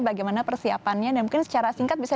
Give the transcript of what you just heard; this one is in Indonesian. bagaimana persiapannya dan mungkin secara singkat bisa